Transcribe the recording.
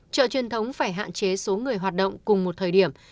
chợ truyền thống phải hạn chế số người hoạt động cùng một thời điểm